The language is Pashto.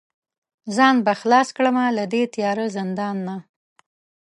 ځان به خلاص کړمه له دې تیاره زندانه